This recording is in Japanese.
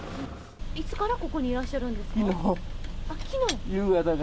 いつからここにいらっしゃるんですか？